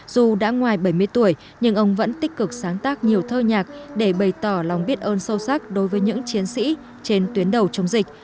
dù đã ngoài bảy mươi tuổi nhưng ông vẫn tích cực sáng tác nhiều thơ nhạc để bày tỏ lòng biết ơn sâu sắc đối với những chiến sĩ trên tuyến đầu chống dịch